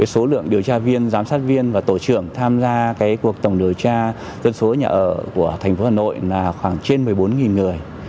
số lượng điều tra viên giám sát viên và tổ trưởng tham gia cuộc tổng điều tra dân số nhà ở của thành phố hà nội là khoảng trên một mươi bốn người